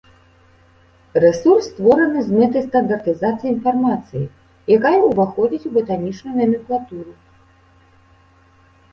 Рэсурс створаны з мэтай стандартызацыі інфармацыі, якая ўваходзіць у батанічную наменклатуру.